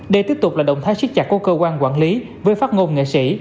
đây tiếp tục là động thái siết chặt của cơ quan quản lý với phát ngôn nghệ sĩ